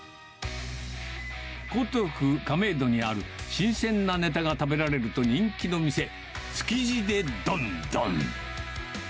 江東区亀戸にある新鮮なネタが食べられると人気の店、つきじデ丼どん。